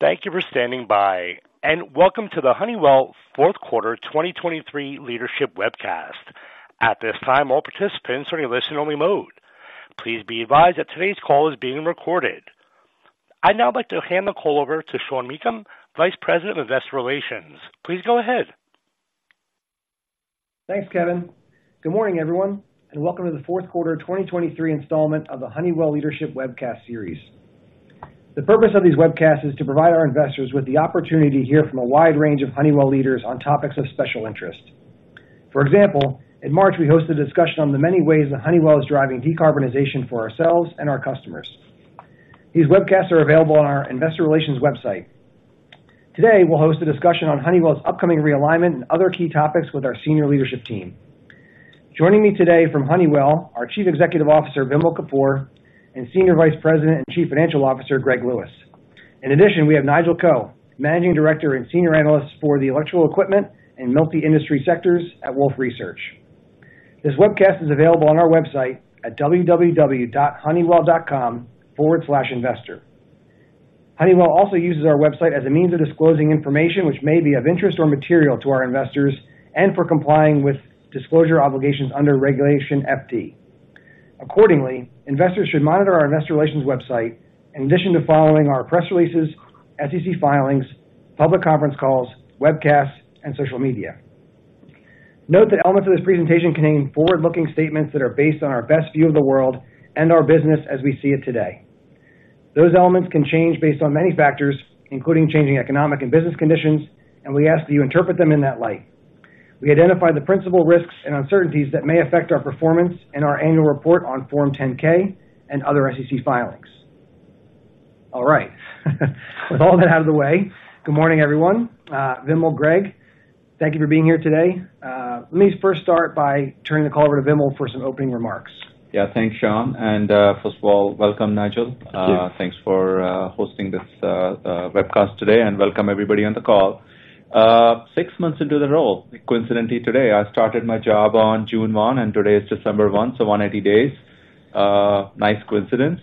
Thank you for standing by, and welcome to the Honeywell Fourth Quarter 2023 Leadership Webcast. At this time, all participants are in a listen-only mode. Please be advised that today's call is being recorded. I'd now like to hand the call over to Sean Meakim, Vice President of Investor Relations. Please go ahead. Thanks, Kevin. Good morning, everyone, and welcome to the fourth quarter 2023 installment of the Honeywell Leadership Webcast Series. The purpose of these webcasts is to provide our investors with the opportunity to hear from a wide range of Honeywell leaders on topics of special interest. For example, in March, we hosted a discussion on the many ways that Honeywell is driving decarbonization for ourselves and our customers. These webcasts are available on our investor relations website. Today, we'll host a discussion on Honeywell's upcoming realignment and other key topics with our senior leadership team. Joining me today from Honeywell, our Chief Executive Officer, Vimal Kapur, and Senior Vice President and Chief Financial Officer, Greg Lewis. In addition, we have Nigel Coe, Managing Director and Senior Analyst for the electrical equipment and multi-industry sectors at Wolfe Research. This webcast is available on our website at www.honeywell.com/investor. Honeywell also uses our website as a means of disclosing information which may be of interest or material to our investors and for complying with disclosure obligations under Regulation FD. Accordingly, investors should monitor our investor relations website in addition to following our press releases, SEC filings, public conference calls, webcasts, and social media. Note that elements of this presentation contain forward-looking statements that are based on our best view of the world and our business as we see it today. Those elements can change based on many factors, including changing economic and business conditions, and we ask that you interpret them in that light. We identify the principal risks and uncertainties that may affect our performance in our annual report on Form 10-K and other SEC filings. All right, with all that out of the way, good morning, everyone. Vimal, Greg, thank you for being here today. Let me first start by turning the call over to Vimal for some opening remarks. Yeah. Thanks, Sean, and first of all, welcome, Nigel. Thank you. Thanks for hosting this webcast today, and welcome, everybody, on the call. Six months into the role, coincidentally, today, I started my job on June 1, and today is December 1, so 180 days. Nice coincidence.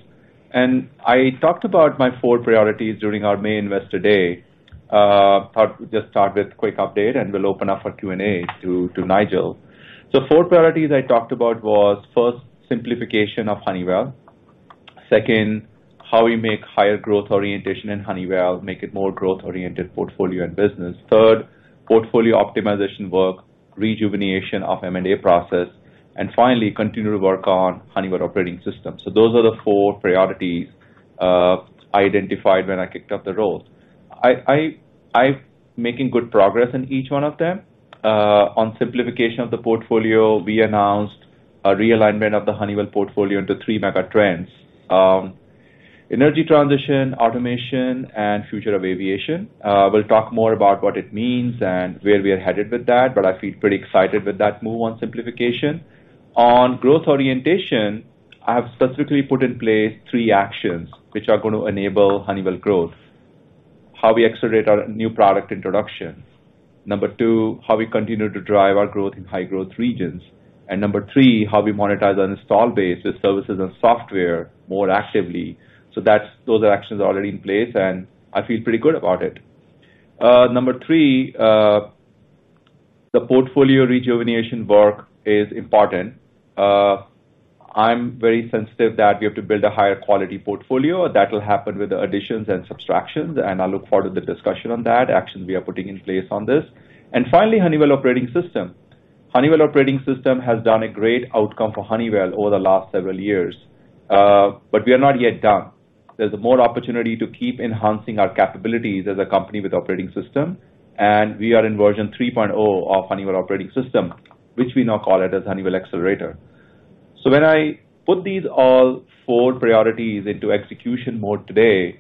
I talked about my four priorities during our main Investor Day. I'll just start with a quick update, and we'll open up for Q&A to Nigel. So four priorities I talked about was, first, simplification of Honeywell. Second, how we make higher growth orientation in Honeywell, make it more growth-oriented portfolio and business. Third, portfolio optimization work, rejuvenation of M&A process, and finally, continue to work on Honeywell Operating System. So those are the four priorities, I identified when I kicked off the role. I'm making good progress in each one of them. On simplification of the portfolio, we announced a realignment of the Honeywell portfolio into three megatrends: energy transition, automation, and future of aviation. We'll talk more about what it means and where we are headed with that, but I feel pretty excited with that move on simplification. On growth orientation, I have specifically put in place three actions which are going to enable Honeywell growth. How we accelerate our new product introduction. Number two, how we continue to drive our growth in high growth regions. And number three, how we monetize our install base with services and software more actively. So that's... Those actions are already in place, and I feel pretty good about it. Number three, the portfolio rejuvenation work is important. I'm very sensitive that we have to build a higher quality portfolio. That will happen with the additions and subtractions, and I look forward to the discussion on that, actions we are putting in place on this. And finally, Honeywell Operating System. Honeywell Operating System has done a great outcome for Honeywell over the last several years, but we are not yet done. There's more opportunity to keep enhancing our capabilities as a company with operating system, and we are in version 3.0 of Honeywell Operating System, which we now call it as Honeywell Accelerator. So when I put these all four priorities into execution mode today,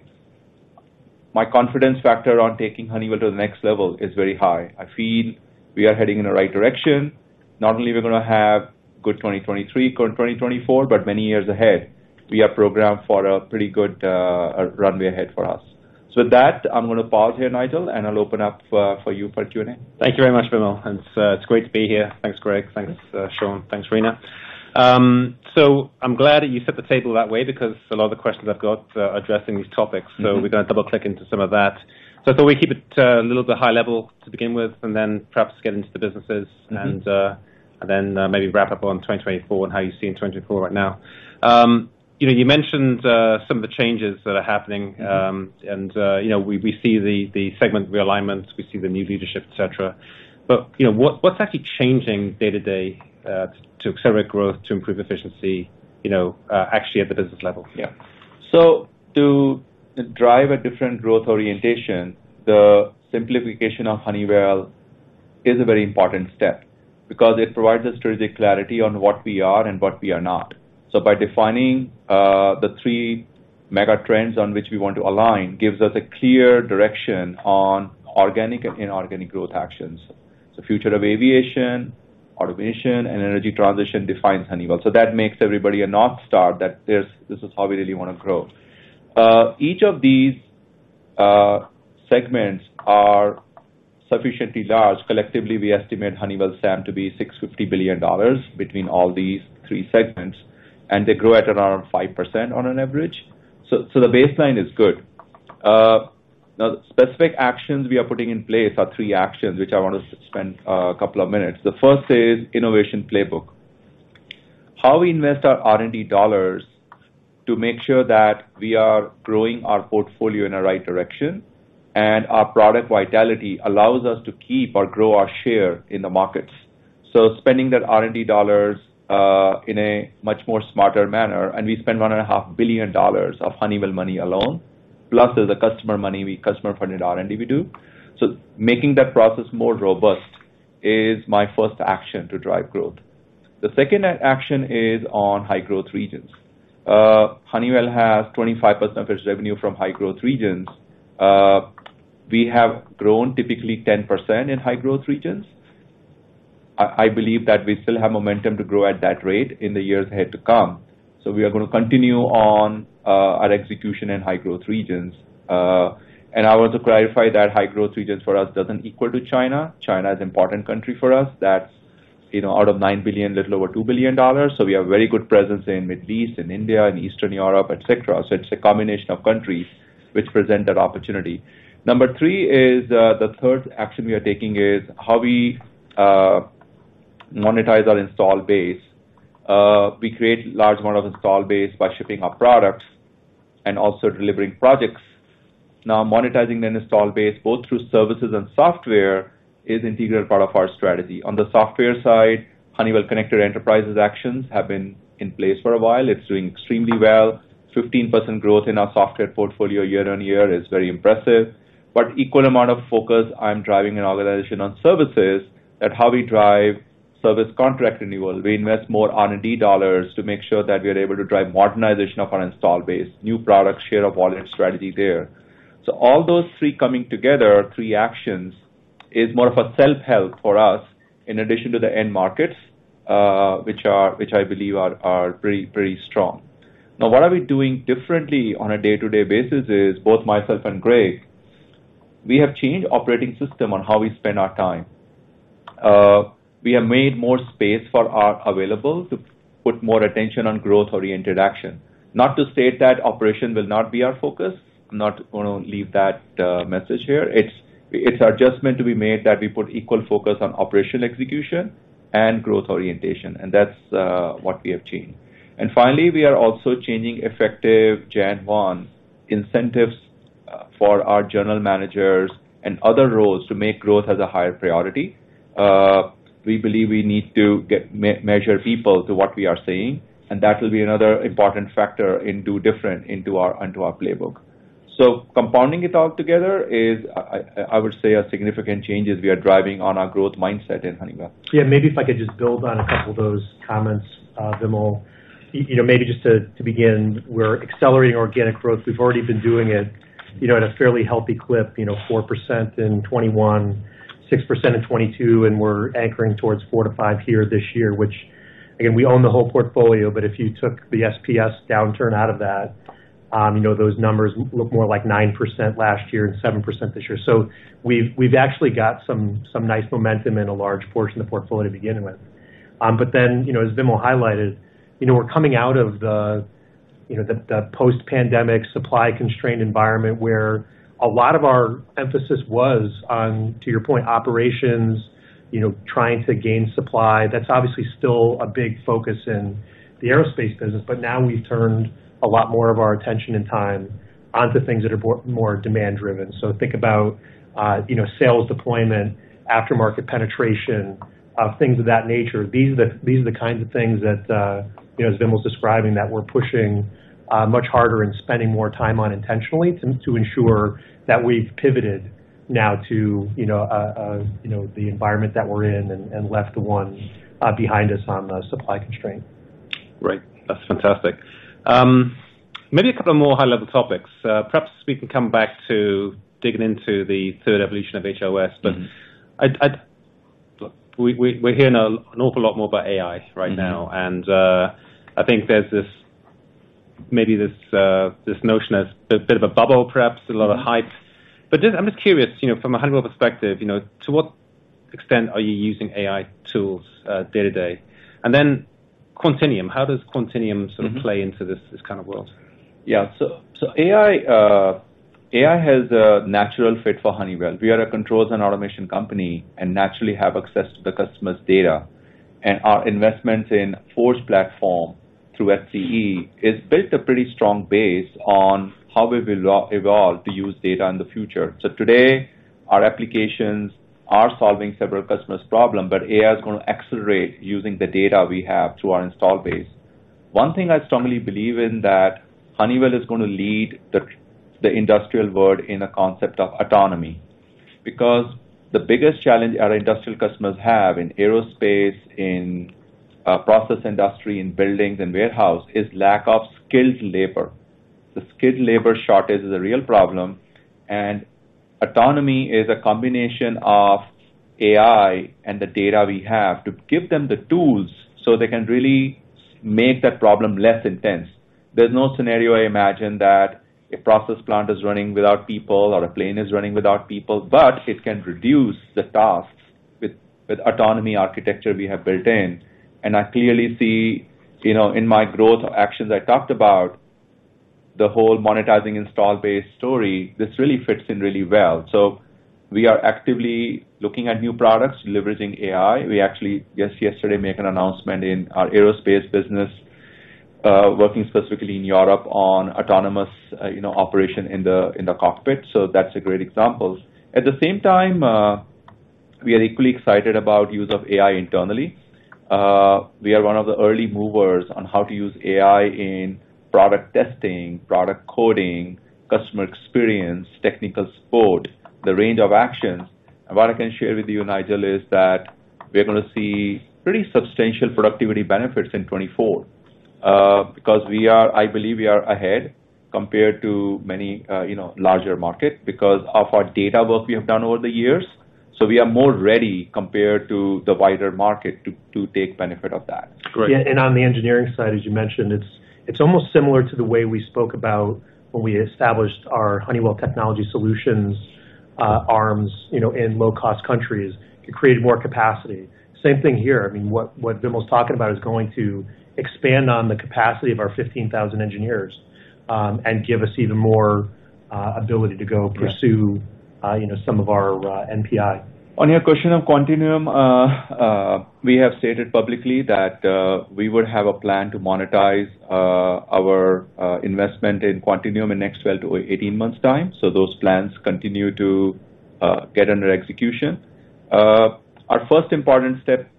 my confidence factor on taking Honeywell to the next level is very high. I feel we are heading in the right direction. Not only we're gonna have good 2023, good 2024, but many years ahead, we are programmed for a pretty good runway ahead for us. With that, I'm gonna pause here, Nigel, and I'll open up for you for Q&A. Thank you very much, Vimal, and it's great to be here. Thanks, Greg. Thanks, Sean. Thanks, Rina. So I'm glad that you set the table that way because a lot of the questions I've got are addressing these topics, so we're gonna double-click into some of that. So I thought we'd keep it a little bit high level to begin with, and then perhaps get into the businesses and then maybe wrap up on 2024 and how you're seeing 2024 right now. You know, you mentioned some of the changes that are happening. And you know, we see the segment realignments, we see the new leadership, et cetera. But you know, what's actually changing day-to-day to accelerate growth, to improve efficiency, you know actually at the business level? Yeah. So to drive a different growth orientation, the simplification of Honeywell is a very important step because it provides us strategic clarity on what we are and what we are not. So by defining the three megatrends on which we want to align, gives us a clear direction on organic and inorganic growth actions. The future of aviation, automation, and energy transition defines Honeywell. So that makes everybody a North Star, that there's this is how we really want to grow. Each of these segments are sufficiently large. Collectively, we estimate Honeywell SAM to be $650 billion between all these three segments, and they grow at around 5% on an average. So the baseline is good. Now, specific actions we are putting in place are three actions, which I want to spend a couple of minutes. The first is innovation playbook. How we invest our R&D dollars to make sure that we are growing our portfolio in the right direction, and our product vitality allows us to keep or grow our share in the markets. So spending that R&D dollars in a much more smarter manner, and we spend $1.5 billion of Honeywell money alone, plus there's a customer money, we customer-funded R&D we do. So making that process more robust is my first action to drive growth. The second action is on high growth regions. Honeywell has 25% of its revenue from high growth regions. We have grown typically 10% in high growth regions. I believe that we still have momentum to grow at that rate in the years ahead to come, so we are going to continue on our execution in High Growth Regions. I want to clarify that High Growth Regions for us doesn't equal to China. China is important country for us. That's, you know, out of $9 billion, little over $2 billion. So we have very good presence in Middle East, in India, in Eastern Europe, et cetera. So it's a combination of countries which present that opportunity. Number three is the third action we are taking is how we monetize our installed base. We create large amount of installed base by shipping our products and also delivering projects. Now, monetizing the installed base, both through services and software, is integral part of our strategy. On the software side, Honeywell Connected Enterprises actions have been in place for a while. It's doing extremely well. 15% growth in our software portfolio year-on-year is very impressive, but equal amount of focus I'm driving an organization on services, at how we drive service contract renewal. We invest more R&D dollars to make sure that we are able to drive modernization of our install base, new product, share of wallet strategy there. So all those three coming together, three actions, is more of a self-help for us in addition to the end markets, which I believe are very, very strong. Now, what are we doing differently on a day-to-day basis is, both myself and Greg, we have changed operating system on how we spend our time. We have made more space for our available to put more attention on growth-oriented action. Not to state that operation will not be our focus. I'm not gonna leave that message here. It's an adjustment to be made that we put equal focus on operational execution and growth orientation, and that's what we have changed. And finally, we are also changing, effective January 1, incentives for our general managers and other roles to make growth as a higher priority. We believe we need to measure people to what we are saying, and that will be another important factor into our playbook. So compounding it all together, we're hearing an awful lot more about AI right now, and I think there's this maybe this notion as a bit of a bubble, perhaps a lot of hype. But just... I'm just curious, you know, from a Honeywell perspective, you know, to what extent are you using AI tools day-to-day? And then Quantinuum, how does Quantinuum sort of play into this kind of world? Yeah. So AI has a natural fit for Honeywell. We are a controls and automation company and naturally have access to the customer's data, and our investments in Forge platform through HCE has built a pretty strong base on how we will evolve to use data in the future. So today, our applications are solving several customers' problem, but AI is going to accelerate using the data we have through our install base. One thing I strongly believe in, that Honeywell is going to lead the industrial world in a concept of autonomy, because the biggest challenge our industrial customers have in Aerospace, in process industry, in buildings and warehouse, is lack of skilled labor. The skilled labor shortage is a real problem, and autonomy is a combination of AI and the data we have, to give them the tools so they can really make that problem less intense. There's no scenario I imagine that a process plant is running without people or a plane is running without people, but it can reduce the tasks with autonomy architecture we have built in. And I clearly see, you know, in my growth actions I talked about, the whole monetizing install-based story, this really fits in really well. So we are actively looking at new products, leveraging AI. We actually, just yesterday, made an announcement in our Aerospace business, working specifically in Europe on autonomous, you know, operation in the, in the cockpit. So that's a great example. At the same time, we are equally excited about use of AI internally. We are one of the early movers on how to use AI in product testing, product coding, customer experience, technical support, the range of actions. And what I can share with you, Nigel, is that we're gonna see pretty substantial productivity benefits in 2024, because we are—I believe we are ahead compared to many, you know, larger markets because of our data work we have done over the years. So we are more ready compared to the wider market to, to take benefit of that. Great. Yeah, and on the engineering side, as you mentioned, it's almost similar to the way we spoke about when we established our Honeywell Technology Solutions arms, you know, in low-cost countries to create more capacity. Same thing here. I mean, what Vimal's talking about is going to expand on the capacity of our 15,000 engineers, and give us even more ability to go pursue- Yeah. you know, some of our NPI. On your question of Quantinuum, we have stated publicly that we would have a plan to monetize our investment in Quantinuum in next 12-18 months time. So those plans continue to get under execution. Our first important step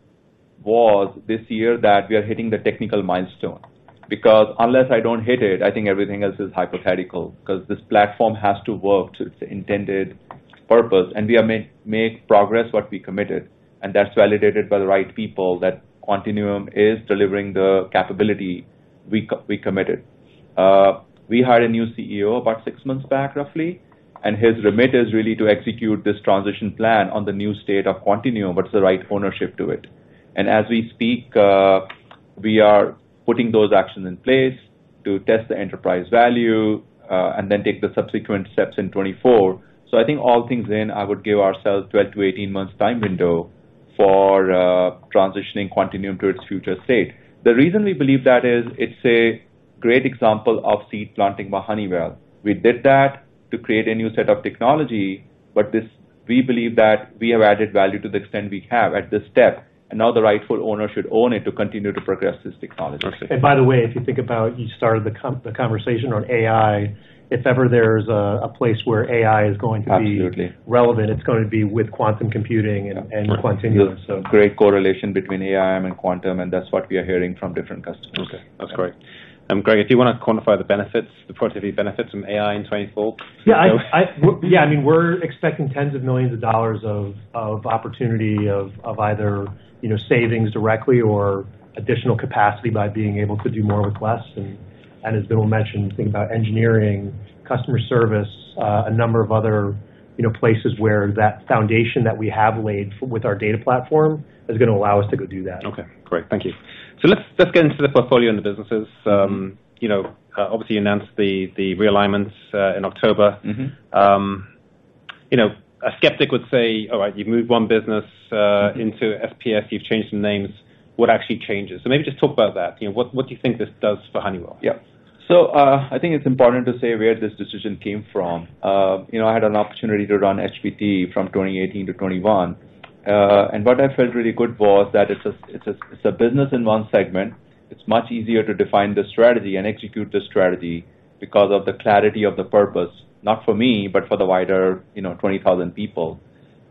was this year that we are hitting the technical milestone, because unless I don't hit it, I think everything else is hypothetical, 'cause this platform has to work to its intended purpose, and we have made progress what we committed, and that's validated by the right people, that Quantinuum is delivering the capability we committed. We hired a new CEO about 6 months back, roughly, and his remit is really to execute this transition plan on the new state of Quantinuum, what's the right ownership to it. As we speak, we are putting those actions in place to test the enterprise value, and then take the subsequent steps in 2024. I think all things in, I would give ourselves 12-18 months time window for, transitioning Quantinuum to its future state. The reason we believe that is, it's a great example of seed planting by Honeywell. We did that to create a new set of technology, but this, we believe that we have added value to the extent we have at this step, and now the rightful owner should own it to continue to progress this technology. And by the way, if you think about, you started the conversation on AI, if ever there's a place where AI is going to be- Absolutely. Relevant, it's going to be with quantum computing and Quantinuum. Great correlation between AI and quantum, and that's what we are hearing from different customers. Okay. That's great. Greg, do you want to quantify the benefits, the productivity benefits from AI in 2024? Yeah, I mean, we're expecting tens of millions of dollars of opportunity of either, you know, savings directly or additional capacity by being able to do more requests. And as Vimal mentioned, think about engineering, customer service, a number of other, you know, places where that foundation that we have laid with our data platform is gonna allow us to go do that. Okay, great. Thank you. So let's get into the portfolio and the businesses. You know, obviously, you announced the realignments in October. Mm-hmm. You know, a skeptic would say, "All right, you've moved one business, into SPS, you've changed some names. What actually changes?" So maybe just talk about that. You know, what, what do you think this does for Honeywell? Yeah. So, I think it's important to say where this decision came from. You know, I had an opportunity to run HBT from 2018 to 2021, and what I felt really good was that it's a business in one segment. It's much easier to define the strategy and execute the strategy because of the clarity of the purpose, not for me, but for the wider, you know, 20,000 people.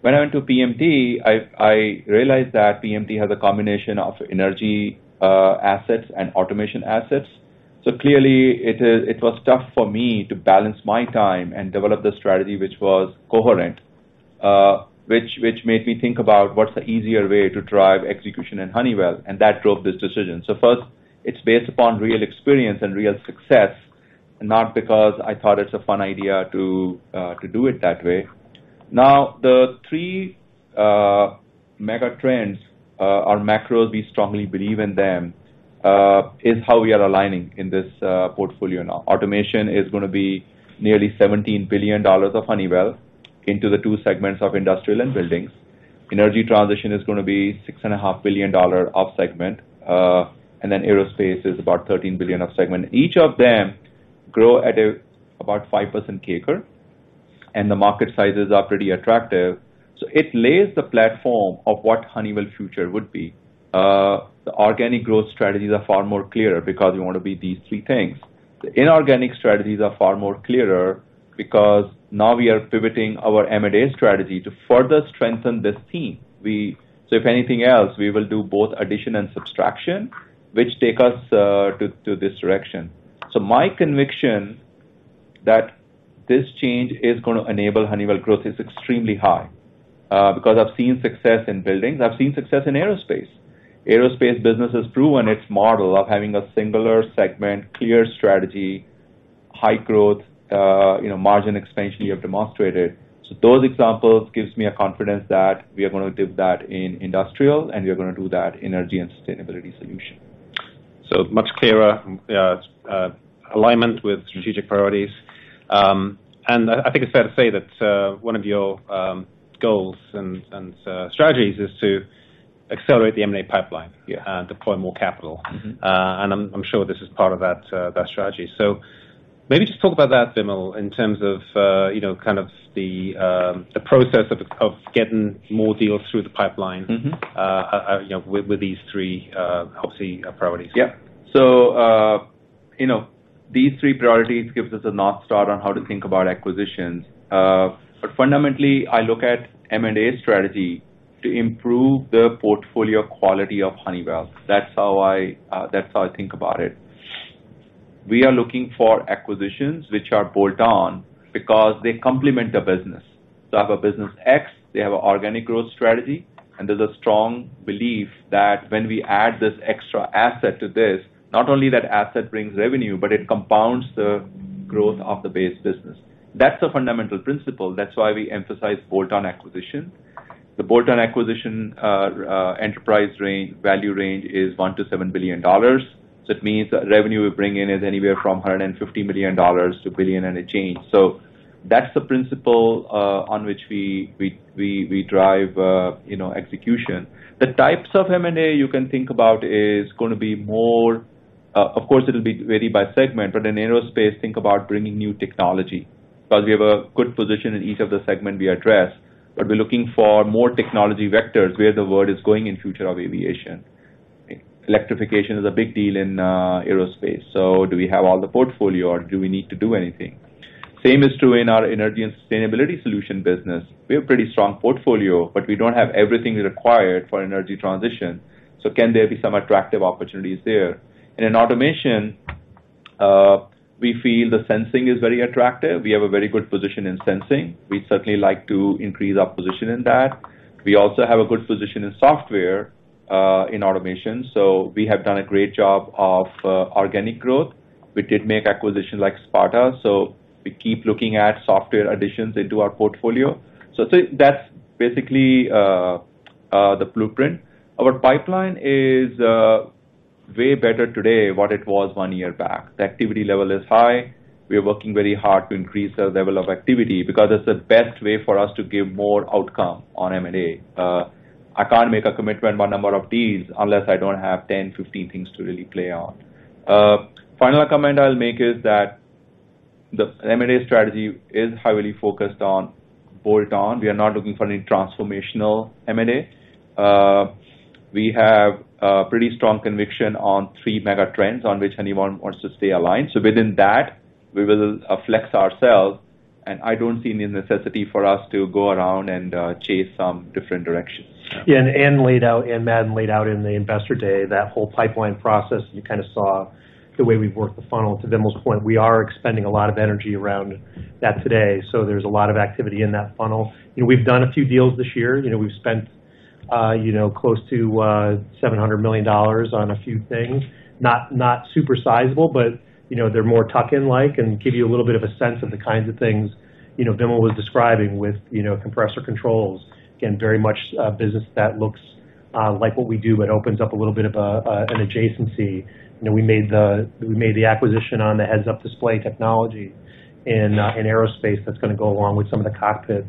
When I went to PMT, I realized that PMT has a combination of energy assets and automation assets. So clearly, it was tough for me to balance my time and develop the strategy, which was coherent, which made me think about what's the easier way to drive execution in Honeywell, and that drove this decision. So first, it's based upon real experience and real success, not because I thought it's a fun idea to do it that way. Now, the three megatrends are macros we strongly believe in them is how we are aligning in this portfolio now. Automation is gonna be nearly $17 billion of Honeywell into the two segments of industrial and buildings. Energy transition is gonna be $6.5 billion segment, and then Aerospace is about $13 billion segment. Each of them grow at about 5% CAGR, and the market sizes are pretty attractive. So it lays the platform of what Honeywell future would be. The organic growth strategies are far more clearer because we want to be these three things. The inorganic strategies are far more clearer because now we are pivoting our M&A strategy to further strengthen this team. So if anything else, we will do both addition and subtraction, which take us to this direction. So my conviction that this change is gonna enable Honeywell growth is extremely high, because I've seen success in buildings, I've seen success in Aerospace. Aerospace business is true in its model of having a singular segment, clear strategy high growth, you know, margin expansion you have demonstrated. So those examples gives me a confidence that we are going to do that in industrial, and we are going to do that in Energy and Sustainability Solutions. So much clearer alignment with strategic priorities. And I think it's fair to say that one of your goals and strategies is to accelerate the M&A pipeline- Yeah. and deploy more capital. Mm-hmm. And I'm sure this is part of that strategy. So maybe just talk about that, Vimal, in terms of, you know, kind of the process of getting more deals through the pipeline- Mm-hmm. you know, with these three, obviously, priorities. Yeah. So, you know, these three priorities gives us a north star on how to think about acquisitions. But fundamentally, I look at M&A strategy to improve the portfolio quality of Honeywell. That's how I, that's how I think about it. We are looking for acquisitions which are bolt-on because they complement the business. So I have a business X, they have an organic growth strategy, and there's a strong belief that when we add this extra asset to this, not only that asset brings revenue, but it compounds the growth of the base business. That's the fundamental principle. That's why we emphasize bolt-on acquisition. The bolt-on acquisition, enterprise range, value range is $1 billion-$7 billion. So it means that revenue we bring in is anywhere from $150 million-$1 billion and a change. So that's the principle on which we drive, you know, execution. The types of M&A you can think about is gonna be more, of course, it'll vary by segment, but in Aerospace, think about bringing new technology. Because we have a good position in each of the segment we address, but we're looking for more technology vectors where the world is going in future of aviation. Electrification is a big deal in Aerospace, so do we have all the portfolio or do we need to do anything? Same is true in our Energy and Sustainability Solutions business. We have pretty strong portfolio, but we don't have everything required for energy transition, so can there be some attractive opportunities there? And in Automation, we feel the sensing is very attractive. We have a very good position in sensing. We'd certainly like to increase our position in that. We also have a good position in software, in automation, so we have done a great job of, organic growth. We did make acquisitions like Sparta, so we keep looking at software additions into our portfolio. So I think that's basically, the blueprint. Our pipeline is, way better today what it was one year back. The activity level is high. We are working very hard to increase the level of activity because it's the best way for us to give more outcome on M&A. I can't make a commitment on number of deals unless I don't have 10, 15 things to really play on. Final comment I'll make is that the M&A strategy is highly focused on bolt-on. We are not looking for any transformational M&A. We have a pretty strong conviction on three megatrends on which anyone wants to stay aligned. Within that, we will flex ourselves, and I don't see any necessity for us to go around and chase some different directions. Yeah, and Anne laid out, and Matt laid out in the Investor Day, that whole pipeline process, you kind of saw the way we've worked the funnel. To Vimal's point, we are expending a lot of energy around that today, so there's a lot of activity in that funnel. You know, we've done a few deals this year. You know, we've spent close to $700 million on a few things. Not super sizable, but, you know, they're more tuck-in like, and give you a little bit of a sense of the kinds of things, you know, Vimal was describing with, you know, Compressor Controls. Again, very much a business that looks like what we do, but opens up a little bit of an adjacency. You know, we made the acquisition on the heads-up display technology in Aerospace that's gonna go along with some of the cockpit,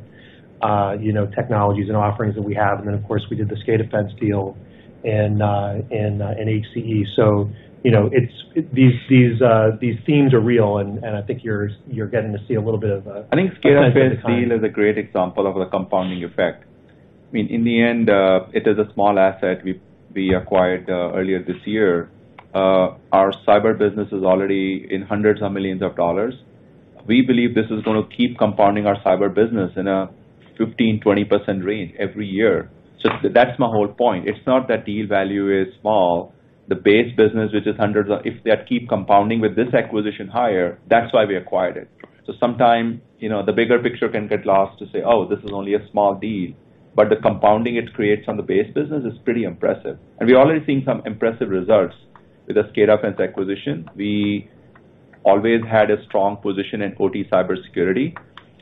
you know, technologies and offerings that we have. And then, of course, we did the SCADAfence deal in HCE. So, you know, it's... These themes are real, and I think you're getting to see a little bit of a- I think SCADAfence deal is a great example of the compounding effect. I mean, in the end, it is a small asset we acquired earlier this year. Our cyber business is already in $hundreds of millions. We believe this is gonna keep compounding our cyber business in a 15%-20% range every year. So that's my whole point. It's not that deal value is small. The base business, which is hundreds of-- if they keep compounding with this acquisition higher, that's why we acquired it. So sometimes, you know, the bigger picture can get lost to say, "Oh, this is only a small deal," but the compounding it creates on the base business is pretty impressive. And we're already seeing some impressive results with the SCADAfence acquisition. We always had a strong position in OT Cybersecurity,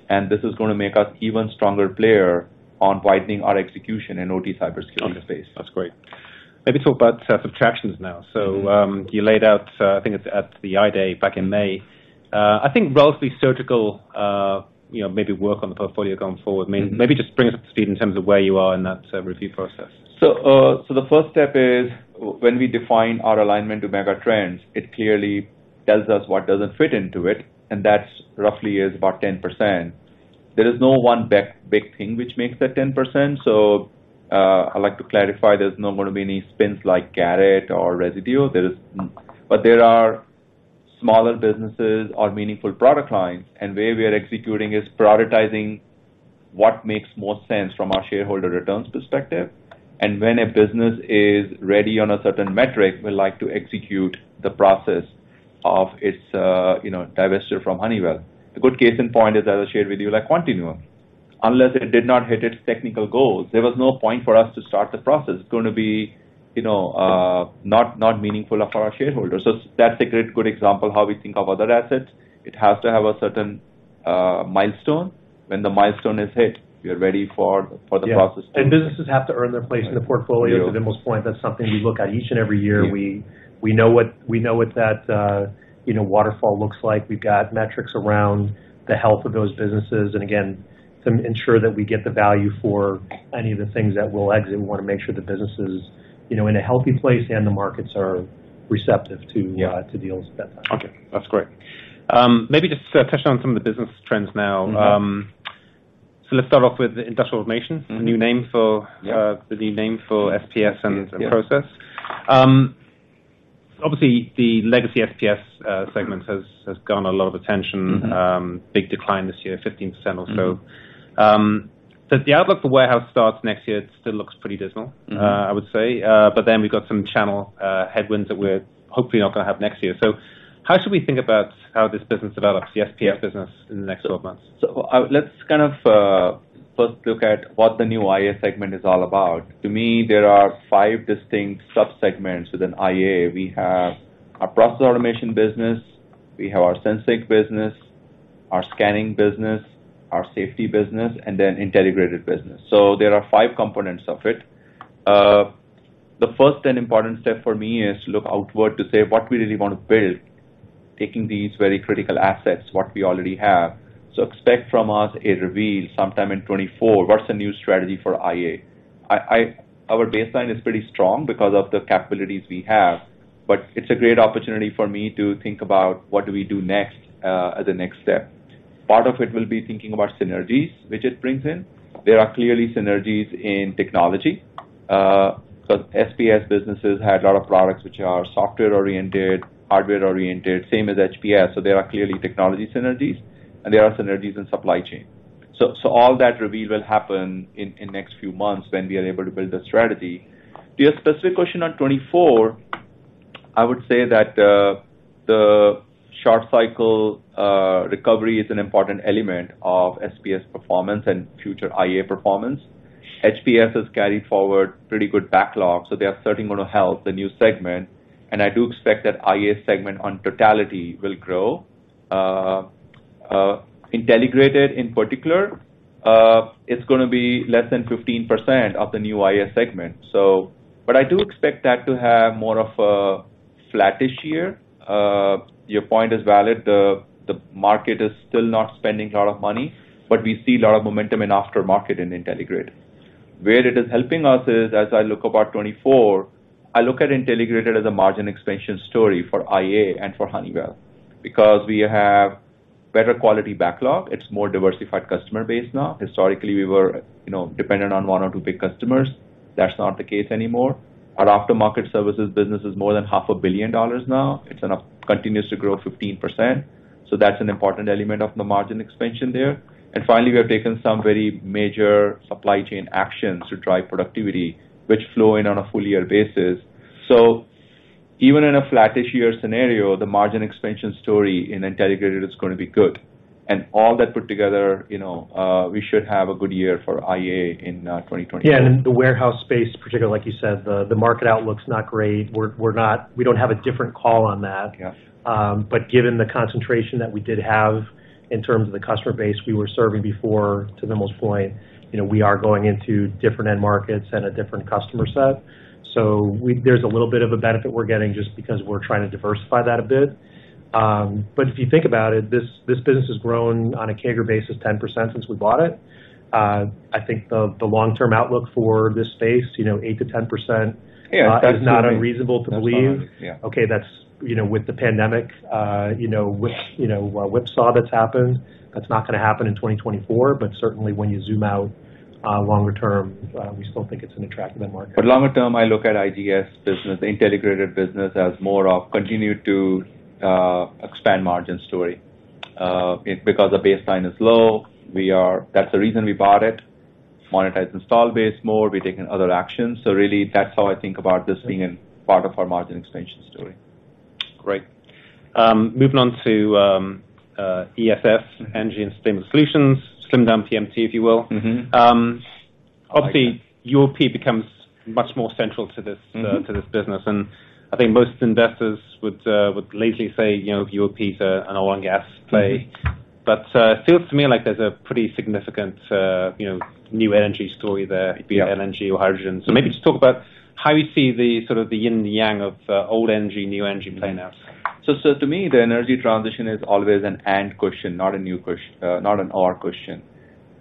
and this is gonna make us even stronger player on widening our execution in OT Cybersecurity space. That's great. Maybe talk about subtractions now. Mm-hmm. So, you laid out, I think it's at the I Day back in May. I think relatively surgical, you know, maybe work on the portfolio going forward. Mm-hmm. Maybe just bring us up to speed in terms of where you are in that review process. So, the first step is when we define our alignment to megatrends, it clearly tells us what doesn't fit into it, and that's roughly is about 10%. There is no one big, big thing which makes that 10%, so, I'd like to clarify, there's not gonna be any spins like Garrett or Resideo. There is, but there are smaller businesses or meaningful product lines, and where we are executing is prioritizing what makes more sense from our shareholder returns perspective. And when a business is ready on a certain metric, we like to execute the process of its, you know, divestiture from Honeywell. A good case in point is, as I shared with you, like Quantinuum unless it did not hit its technical goals, there was no point for us to start the process. It's going to be, you know, not meaningful for our shareholders. So that's a great, good example how we think of other assets. It has to have a certain milestone. When the milestone is hit, we are ready for the process. Yeah. Businesses have to earn their place in the portfolio. To Vimal's point, that's something we look at each and every year. Yeah. We know what that waterfall looks like. We've got metrics around the health of those businesses, and again, to ensure that we get the value for any of the things that we'll exit, we want to make sure the business is, you know, in a healthy place and the markets are receptive to deals at that time. Okay, that's great. Maybe just to touch on some of the business trends now. Mm-hmm. So let's start off with Industrial Automation. Mm-hmm. A new name for. Yeah, the new name for SPS and process. Yes. Obviously, the legacy SPS segment has gotten a lot of attention. Big decline this year, 15% or so. Mm-hmm. The outlook for warehouse starts next year still looks pretty dismal. Mm-hmm. I would say. But then we've got some channel headwinds that we're hopefully not gonna have next year. So how should we think about how this business develops, the SPS business, in the next 12 months? So, let's kind of first look at what the new IA segment is all about. To me, there are five distinct subsegments within IA. We have our process automation business, we have our sensing business, our scanning business, our safety business, and then Intelligrated business. So there are five components of it. The first and important step for me is to look outward to say what we really want to build, taking these very critical assets, what we already have. So expect from us a reveal sometime in 2024, what's the new strategy for IA? I, our baseline is pretty strong because of the capabilities we have, but it's a great opportunity for me to think about what do we do next, as a next step. Part of it will be thinking about synergies, which it brings in. There are clearly synergies in technology, 'cause SPS businesses had a lot of products which are software-oriented, hardware-oriented, same as HPS, so there are clearly technology synergies, and there are synergies in supply chain. So all that reveal will happen in next few months when we are able to build a strategy. To your specific question on 2024, I would say that the short cycle recovery is an important element of SPS performance and future IA performance. HPS has carried forward pretty good backlog, so they are certainly going to help the new segment, and I do expect that IA segment on totality will grow. Intelligrated, in particular, it's gonna be less than 15% of the new IA segment so... But I do expect that to have more of a flattish year. Your point is valid. The market is still not spending a lot of money, but we see a lot of momentum in aftermarket in Intelligrated. Where it is helping us is, as I look about 2024, I look at Intelligrated as a margin expansion story for IA and for Honeywell, because we have better quality backlog. It's more diversified customer base now. Historically, we were, you know, dependent on one or two big customers. That's not the case anymore. Our aftermarket services business is more than $500 million now. It continues to grow 15%, so that's an important element of the margin expansion there. And finally, we have taken some very major supply chain actions to drive productivity, which flow in on a full year basis. So even in a flattish year scenario, the margin expansion story in Intelligrated is gonna be good. All that put together, you know, we should have a good year for IA in 2024. Yeah, and the warehouse space, particularly like you said, the market outlook's not great. We're not we don't have a different call on that. Yeah. But given the concentration that we did have in terms of the customer base we were serving before, to Vimal's point, you know, we are going into different end markets and a different customer set. So there's a little bit of a benefit we're getting just because we're trying to diversify that a bit. But if you think about it, this business has grown on a CAGR basis, 10% since we bought it. I think the long-term outlook for this space, you know, 8%-10%. Yeah, absolutely. Is not unreasonable to believe. Yeah. Okay, that's, you know, with the pandemic, you know, which, you know, whipsaw that's happened, that's not gonna happen in 2024, but certainly when you zoom out, longer term, we still think it's an attractive end market. But longer term, I look at IGS business, Intelligrated business, as more of continue to expand margin story. Because the baseline is low, we are, that's the reason we bought it, monetize install base more, we've taken other actions. So really, that's how I think about this being a part of our margin expansion story. Great. Moving on to ESS, Energy and Sustainability Solutions, slimmed down PMT, if you will. Obviously, UOP becomes much more central to this business. And I think most investors would lately say, you know, UOP is an all-in gas play. But, it feels to me like there's a pretty significant, you know, new energy story there—Yeah—be it LNG or hydrogen. So maybe just talk about how you see the sort of the yin and yang of, old energy, new energy playing out. So, so to me, the energy transition is always an and question, not a new quest, not an or question.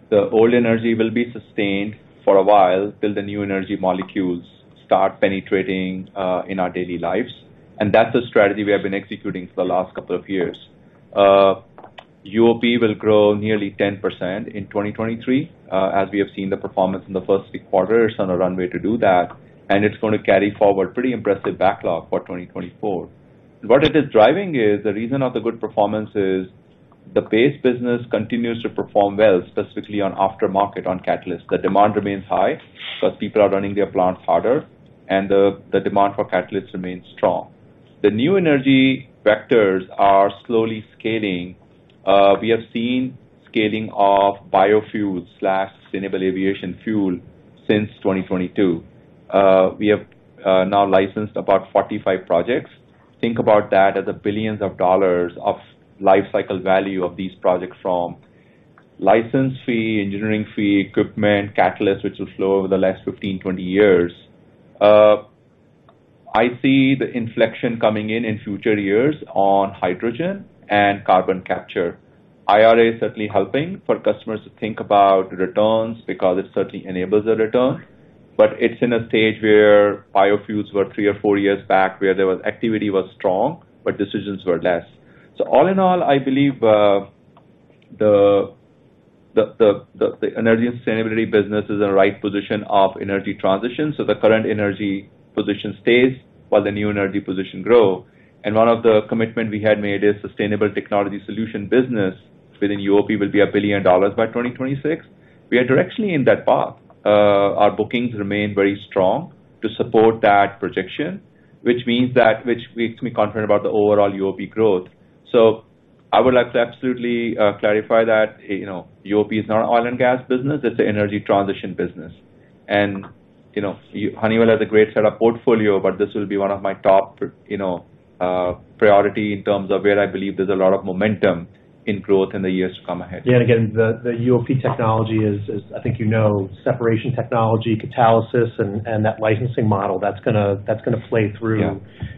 The old energy will be sustained for a while till the new energy molecules start penetrating, in our daily lives, and that's the strategy we have been executing for the last couple of years. UOP will grow nearly 10% in 2023, as we have seen the performance in the first six quarters on a runway to do that, and it's gonna carry forward pretty impressive backlog for 2024. What it is driving is, the reason of the good performance is the base business continues to perform well, specifically on aftermarket, on catalyst. The demand remains high because people are running their plants harder, and the demand for catalysts remains strong. The new energy vectors are slowly scaling. We have seen scaling of biofuels/sustainable aviation fuel since 2022. We have now licensed about 45 projects. Think about that as the billions of dollars of life cycle value of these projects from license fee, engineering fee, equipment, catalyst, which will flow over the last 15, 20 years. I see the inflection coming in future years on hydrogen and carbon capture. IRA is certainly helping for customers to think about returns because it certainly enables a return, but it's in a stage where biofuels were three or four years back, where there was activity was strong, but decisions were less. So all in all, I believe the Energy and Sustainability business is in a right position of energy transition, so the current energy position stays while the new energy position grow. And one of the commitment we had made is Sustainable Technology Solutions business within UOP will be $1 billion by 2026. We are directly in that path. Our bookings remain very strong to support that projection, which means that, which makes me confident about the overall UOP growth. So I would like to absolutely clarify that, you know, UOP is not an oil and gas business, it's an energy transition business. You know, Honeywell has a great set of portfolio, but this will be one of my top, you know, priority in terms of where I believe there's a lot of momentum in growth in the years to come ahead. Yeah, and again, the UOP technology is, I think you know, separation technology, catalysis and that licensing model, that's gonna play through- Yeah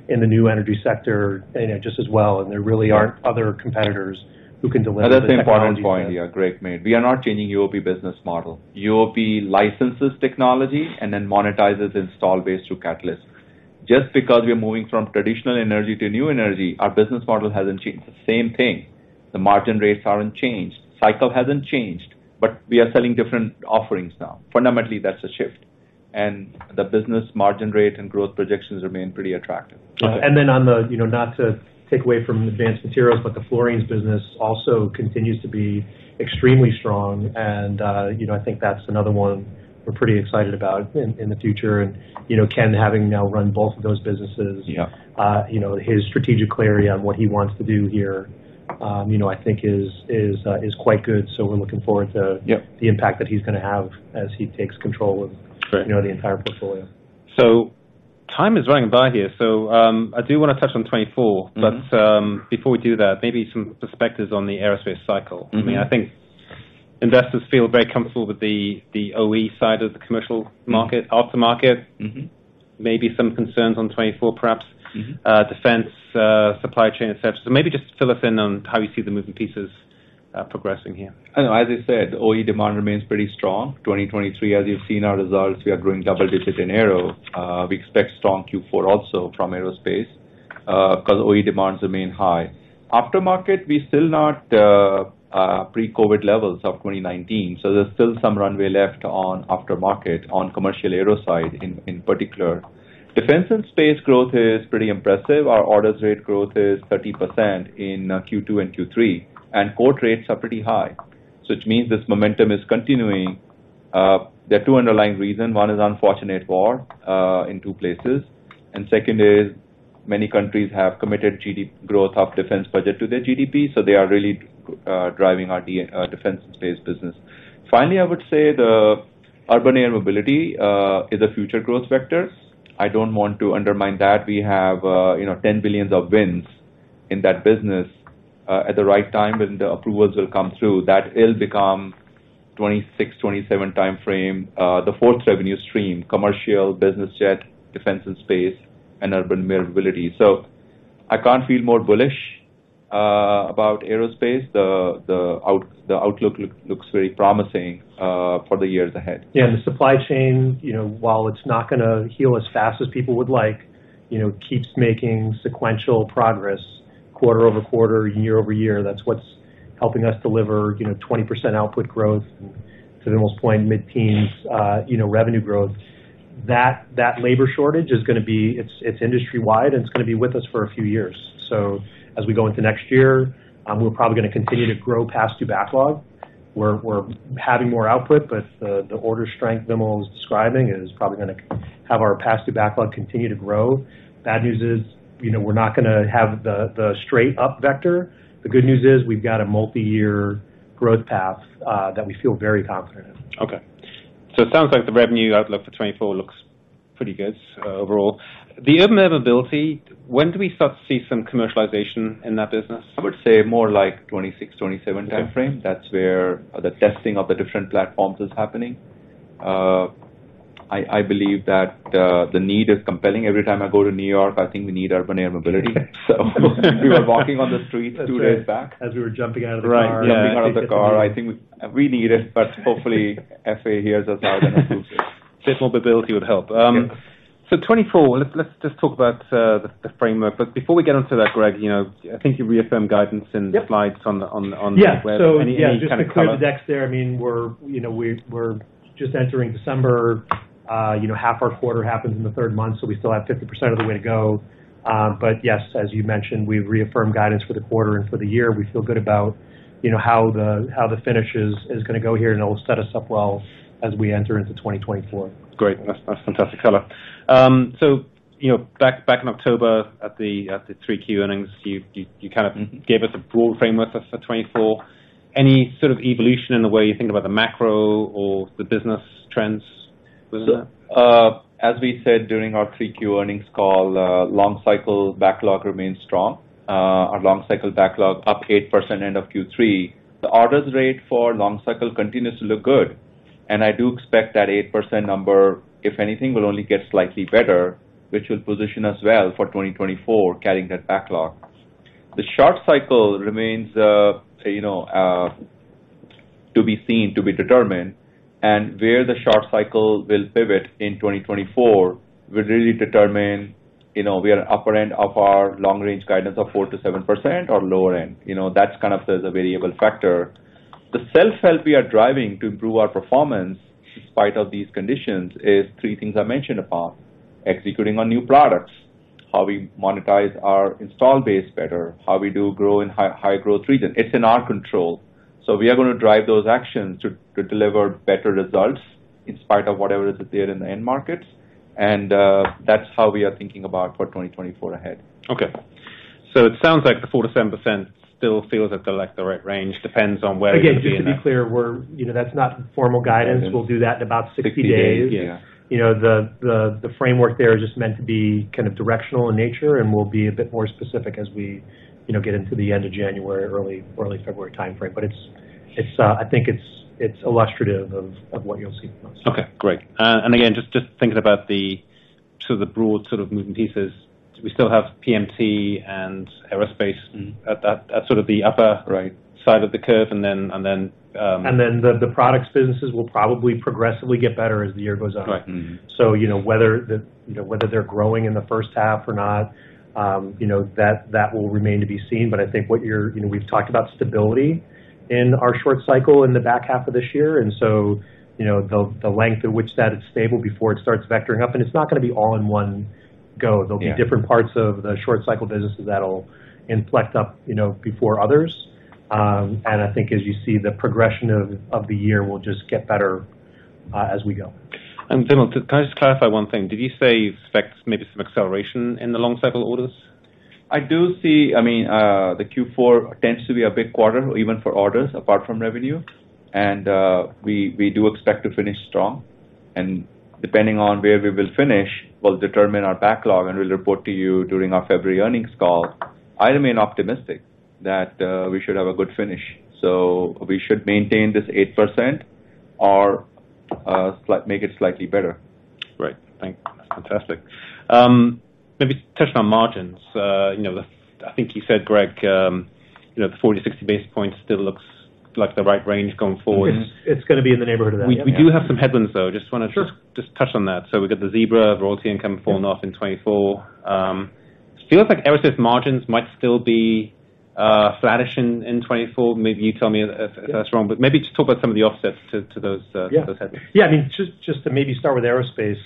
in the new energy sector, you know, just as well, and there really aren't other competitors who can deliver the technology. That's the important point here, Greg made. We are not changing UOP business model. UOP licenses technology and then monetizes its install base through catalyst. Just because we are moving from traditional energy to new energy, our business model hasn't changed. The same thing, the margin rates haven't changed, cycle hasn't changed, but we are selling different offerings now. Fundamentally, that's a shift, and the business margin rate and growth projections remain pretty attractive. And then on the, you know, not to take away from advanced materials, but the Fluorine business also continues to be extremely strong, and, you know, I think that's another one we're pretty excited about in the future. And, you know, Ken having now run both of those businesses- Yeah... you know, his strategic clarity on what he wants to do here, you know, I think is quite good. So we're looking forward to- Yep the impact that he's gonna have as he takes control of Great You know, the entire portfolio. Time is running by here, so, I do wanna touch on 2024. Mm-hmm. Before we do that, maybe some perspectives on the Aerospace cycle. Mm-hmm. I mean, I think investors feel very comfortable with the OE side of the commercial market. Mm. Aftermarket- Mm-hmm Maybe some concerns on 2024, perhaps. Mm-hmm. Defense, supply chain, et cetera. So maybe just fill us in on how you see the moving pieces, progressing here. I know, as I said, OE demand remains pretty strong. 2023, as you've seen our results, we are growing double digits in aero. We expect strong Q4 also from Aerospace, 'cause OE demands remain high. Aftermarket, we still not pre-COVID levels of 2019, so there's still some runway left on aftermarket, on commercial aero side in particular. Defense and Space growth is pretty impressive. Our orders rate growth is 30% in Q2 and Q3, and quote rates are pretty high, so which means this momentum is continuing. There are two underlying reasons. One is unfortunate war in two places, and second is many countries have committed GDP growth of defense budget to their GDP, so they are really driving our Defense and Space business. Finally, I would say the Urban Air Mobility is a future growth vector. I don't want to undermine that. We have, you know, $10 billion of wins in that business, at the right time, when the approvals will come through, that it'll become 2026-2027 timeframe, the fourth revenue stream: commercial, business jet, Defense and Space, and Urban Air Mobility. So I can't feel more bullish about Aerospace. The outlook looks very promising for the years ahead. Yeah, and the supply chain, you know, while it's not gonna heal as fast as people would like, you know, keeps making sequential progress quarter over quarter, year over year. That's what's helping us deliver, you know, 20% output growth, and Vimal's point, mid-teens, you know, revenue growth. That, that labor shortage is gonna be... It's, it's industry-wide, and it's gonna be with us for a few years. So as we go into next year, we're probably gonna continue to grow past due backlog. We're, we're having more output, but the, the order strength Vimal is describing is probably gonna have our past due backlog continue to grow. Bad news is, you know, we're not gonna have the, the straight up vector. The good news is, we've got a multiyear growth path, that we feel very confident in. Okay. So it sounds like the revenue outlook for 2024 looks pretty good overall. Urban Air Mobility, when do we start to see some commercialization in that business? I would say more like 2026-2027 timeframe. Okay. That's where the testing of the different platforms is happening. I believe that the need is compelling. Every time I go to New York, I think we need Urban Air Mobility. So we were walking on the streets two days back. As we were jumping out of the car. Right. Yeah. Jumping out of the car. I think we need it, but hopefully, FAA hears us out and approves it. This mobility would help. Yes. So 2024, let's just talk about the framework. But before we get onto that, Greg, you know, I think you reaffirmed guidance in- Yep the slides on the Yeah any, any kind of color. So yeah, just to clear the decks there, I mean, we're, you know, we're, we're just entering December. You know, half our quarter happens in the third month, so we still have 50% of the way to go. But yes, as you mentioned, we've reaffirmed guidance for the quarter and for the year. We feel good about, you know, how the, how the finish is, is gonna go here, and it'll set us up well as we enter into 2024. Great. That's, that's fantastic color. So, you know, back in October at the 3Q earnings, you kind of gave us a broad framework for 2024. Any sort of evolution in the way you think about the macro or the business trends, Vimal? As we said during our 3Q earnings call, long cycle backlog remains strong. Our long cycle backlog up 8% end of Q3. The orders rate for long cycle continues to look good, and I do expect that 8% number, if anything, will only get slightly better, which will position us well for 2024, carrying that backlog. The short cycle remains, you know, to be seen, to be determined, and where the short cycle will pivot in 2024 will really determine, you know, we are at upper end of our long-range guidance of 4%-7% or lower end. You know, that's kind of the variable factor. The self-help we are driving to improve our performance, in spite of these conditions, is three things I mentioned above: executing on new products, how we monetize our install base better, how we do grow in high-growth regions. It's in our control, so we are going to drive those actions to deliver better results in spite of whatever is there in the end markets. And, that's how we are thinking about for 2024 ahead. Okay. So it sounds like the 4%-7% still feels like the, like the right range, depends on where you're going to be- Again, just to be clear, we're, you know, that's not formal guidance. We'll do that in about 60 days. 60 days, yeah. You know, the framework there is just meant to be kind of directional in nature, and we'll be a bit more specific as we, you know, get into the end of January, early February time frame. But it's, I think it's illustrative of what you'll see from us. Okay, great. And again, just thinking about the sort of the broad sort of moving pieces, we still have PMT and Aerospace- Mm-hmm. at that, at sort of the upper- Right. -side of the curve, and then, and then, And then the products businesses will probably progressively get better as the year goes on. Right. Mm-hmm. So, you know, whether the, you know, whether they're growing in the first half or not, you know, that, that will remain to be seen. But I think what you're... You know, we've talked about stability in our short cycle in the back half of this year, and so, you know, the, the length at which that is stable before it starts vectoring up, and it's not going to be all in one go. Yeah. There'll be different parts of the short cycle businesses that'll inflect up, you know, before others. I think as you see, the progression of the year will just get better, as we go. Vimal, can I just clarify one thing? Did you say you expect maybe some acceleration in the long cycle orders? I do see, I mean, the Q4 tends to be a big quarter, even for orders, apart from revenue, and we do expect to finish strong. And depending on where we will finish, will determine our backlog, and we'll report to you during our February earnings call. I remain optimistic that we should have a good finish, so we should maintain this 8% or make it slightly better. Great. Thank you. That's fantastic. Maybe touch on margins. You know, the, I think you said, Greg, you know, the 40-60 basis points still looks like the right range going forward. It's gonna be in the neighborhood of that. We do have some headwinds, though. Sure. Just wanted to just touch on that. So we've got the Zebra royalty income falling off in 2024. Feels like Aerospace margins might still be flattish in 2024. Maybe you tell me if that's wrong, but maybe just talk about some of the offsets to those. Yeah. -to those headwinds. Yeah, I mean, just to maybe start with Aerospace,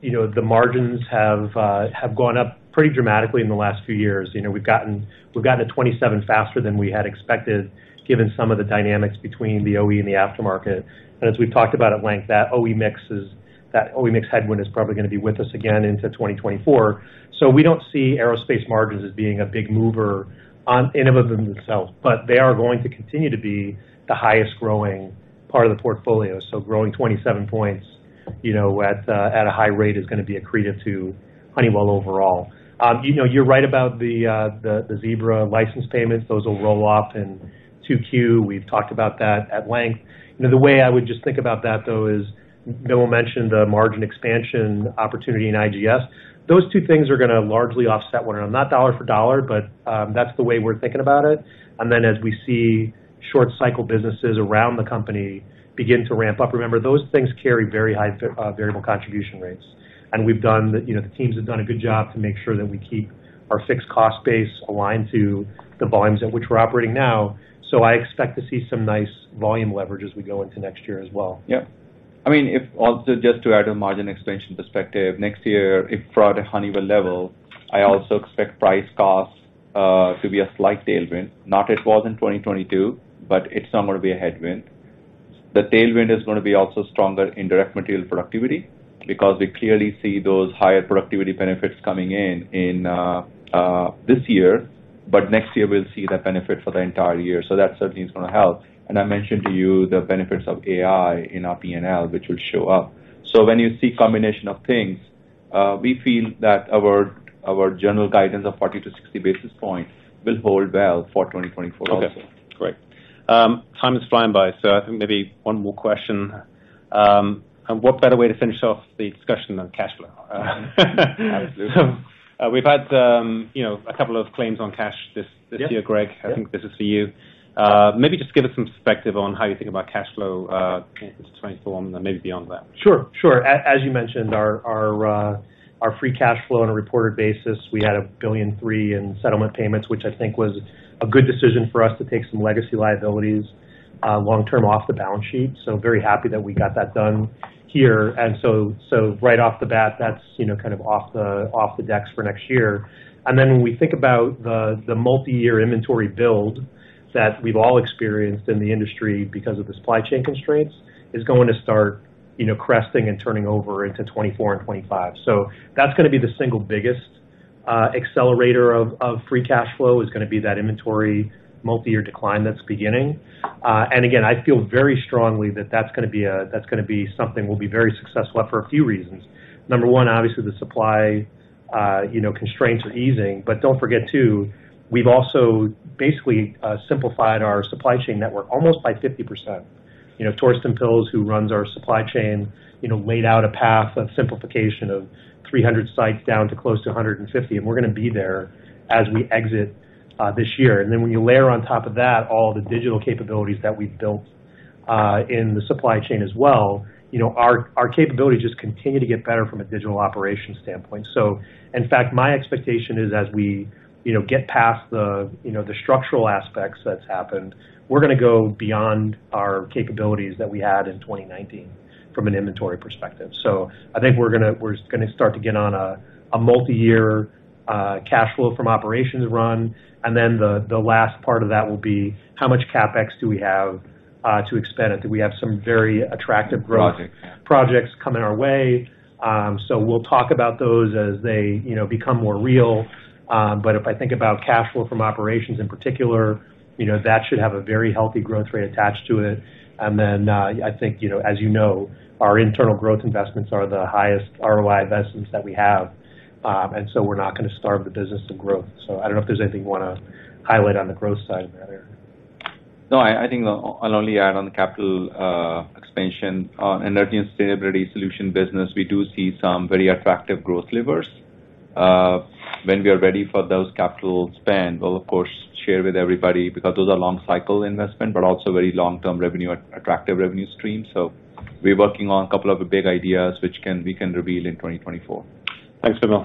you know, the margins have have gone up pretty dramatically in the last few years. You know, we've gotten to 27 faster than we had expected, given some of the dynamics between the OE and the aftermarket. And as we've talked about at length, that OE mix headwind is probably gonna be with us again into 2024. So we don't see Aerospace margins as being a big mover in and of themselves, but they are going to continue to be the highest growing part of the portfolio. So growing 27 points, you know, at a high rate, is gonna be accretive to Honeywell overall. You know, you're right about the Zebra license payments. Those will roll off in 2Q. We've talked about that at length. You know, the way I would just think about that, though, is Vimal mentioned the margin expansion opportunity in IGS. Those two things are gonna largely offset one another, not dollar for dollar, but that's the way we're thinking about it. And then, as we see short cycle businesses around the company begin to ramp up, remember, those things carry very high variable contribution rates. And we've done the, you know, the teams have done a good job to make sure that we keep our fixed cost base aligned to the volumes at which we're operating now. So I expect to see some nice volume leverage as we go into next year as well. Yeah. I mean, if also, just to add a margin expansion perspective, next year, if throughout a Honeywell level, I also expect price costs to be a slight tailwind. Not it was in 2022, but it's not gonna be a headwind. The tailwind is gonna be also stronger in direct material productivity because we clearly see those higher productivity benefits coming in, in this year, but next year we'll see that benefit for the entire year, so that certainly is gonna help. And I mentioned to you the benefits of AI in our P&L, which will show up. So when you see combination of things, we feel that our, our general guidance of 40 basis points-60 basis points will hold well for 2024 also. Okay, great. Time is flying by, so I think maybe one more question. What better way to finish off the discussion than cash flow? Absolutely. We've had, you know, a couple of claims on cash this year. Yeah. Greg, I think this is for you. Maybe just give us some perspective on how you think about cash flow into 2024 and then maybe beyond that. Sure, sure. As you mentioned, our free cash flow on a reported basis, we had $1.3 billion in settlement payments, which I think was a good decision for us to take some legacy liabilities long term off the balance sheet. So very happy that we got that done here. And so, so right off the bat, that's, you know, kind of off the decks for next year. And then when we think about the multiyear inventory build that we've all experienced in the industry because of the supply chain constraints, is going to start, you know, cresting and turning over into 2024 and 2025. So that's gonna be the single biggest accelerator of free cash flow is going to be that inventory multi-year decline that's beginning. And again, I feel very strongly that that's gonna be a-- that's gonna be something we'll be very successful at for a few reasons. Number one, obviously, the supply, you know, constraints are easing. But don't forget, too, we've also basically simplified our supply chain network almost by 50%. You know, Torsten Pilz, who runs our supply chain, you know, laid out a path of simplification of 300 sites down to close to 150, and we're gonna be there as we exit this year. And then when you layer on top of that, all the digital capabilities that we've built in the supply chain as well, you know, our, our capabilities just continue to get better from a digital operations standpoint. So in fact, my expectation is as we, you know, get past the, you know, the structural aspects that's happened, we're gonna go beyond our capabilities that we had in 2019 from an inventory perspective. So I think we're gonna, we're gonna start to get on a, a multi-year, cash flow from operations run, and then the, the last part of that will be how much CapEx do we have, to expend it? Do we have some very attractive growth projects coming our way? So we'll talk about those as they, you know, become more real. But if I think about cash flow from operations in particular, you know, that should have a very healthy growth rate attached to it. And then, I think, you know, as you know, our internal growth investments are the highest ROI investments that we have, and so we're not gonna starve the business to growth. So I don't know if there's anything you wanna highlight on the growth side, Vimal. No, I think I'll only add on the capital expansion. On Energy and Sustainability Solutions business, we do see some very attractive growth levers. When we are ready for those capital spend, we'll of course share with everybody, because those are long-cycle investments, but also very long-term revenue-attractive revenue streams. So we're working on a couple of big ideas, which we can reveal in 2024. Thanks, Vimal.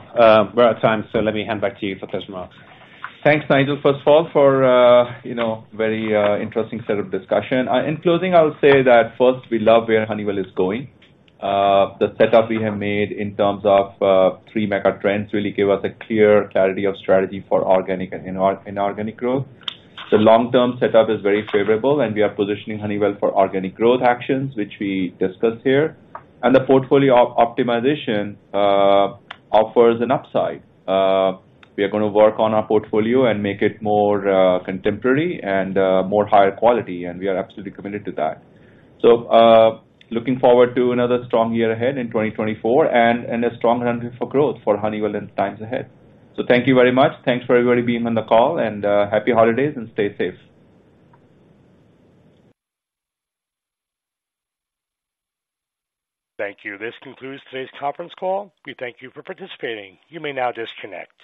We're out of time, so let me hand back to you for closing remarks. Thanks, Nigel. First of all, for, you know, very interesting set of discussion. In closing, I would say that first, we love where Honeywell is going. The setup we have made in terms of, three megatrends, really give us a clear clarity of strategy for organic and inorganic growth. The long-term setup is very favorable, and we are positioning Honeywell for organic growth actions, which we discussed here. And the portfolio optimization, offers an upside. We are gonna work on our portfolio and make it more, contemporary and, more higher quality, and we are absolutely committed to that. So, looking forward to another strong year ahead in 2024 and, a strong hunting for growth for Honeywell in times ahead. So thank you very much. Thanks for everybody being on the call, and happy holidays, and stay safe. Thank you. This concludes today's conference call. We thank you for participating. You may now disconnect.